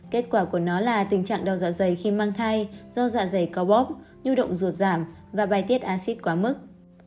kết quả của nó là tình trạng đau dạ dày khi mang thai do dạ dày có bóp nhu động ruột giảm và bài tiết acid quá mức